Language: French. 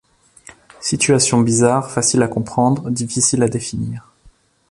Situation bizarre, facile à comprendre, difficile à définir.